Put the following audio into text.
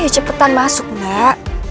cepetan masuk gak